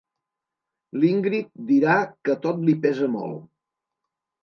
L'Ingrid dirà que tot li pesa molt.